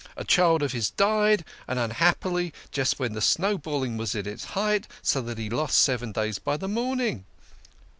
A child of his died, and, un happily, just when the snowballing was at its height, so that he lost seven days by the mourning."